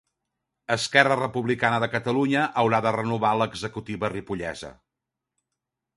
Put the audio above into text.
Esquerra Republicana de Catalunya haurà de renovar l'executiva ripollesa.